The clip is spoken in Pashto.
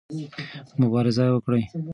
مبارزه وکړئ.